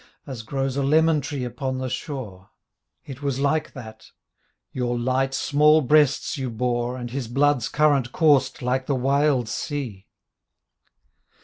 As grows a lemon tree upon the shore — It was like that — ^your light, small breasts you bore. And his blood's current coursed like the wild sea.